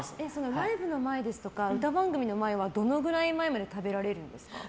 ライブの前ですとか歌番組の前はどのぐらい前まで食べられるんですか？